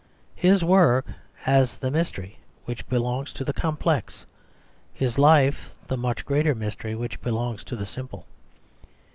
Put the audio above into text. His work has the mystery which belongs to the complex; his life the much greater mystery which belongs to the simple.